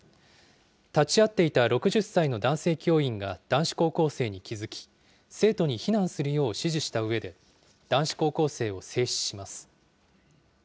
立ち会っていた６０歳の男性教員が男子高校生に気付き、生徒に避難するよう指示したうえで、男子高校生を制止します。